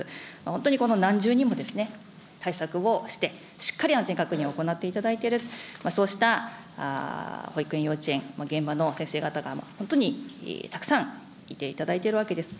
本当にこの何重にもですね、対策をして、しっかり安全確認を行っていただいている、そうした保育園、幼稚園、現場の先生方が、本当にたくさんいていただいているわけです。